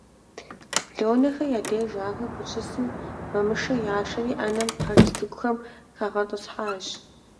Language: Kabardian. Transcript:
Лонэхэ я деж ахэр къыщысым, Мамышэ яшэри Ӏэнэм пэрыс цӀыкӀухэм хагъэтӀысхьащ.